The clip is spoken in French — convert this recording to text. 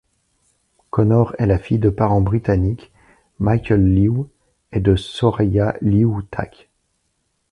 Connor est la fille de parents britanniques, Michael Lewe et de Soraya Lewe-Tacke.